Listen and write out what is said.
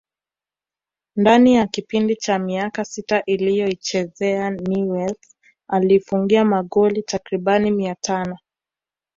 Ndani ya kipindi cha miaka sita aliyoichezea Newells aliifungia magoli takribani mia tano